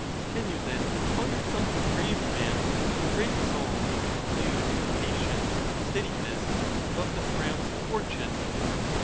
Can you, then, call yourself a brave man, of a great soul, endued with patience and steadiness above the frowns of fortune?